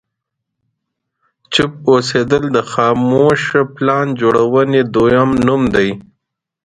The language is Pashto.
چوپ اوسېدل د خاموشه پلان جوړونې دوهم نوم دی.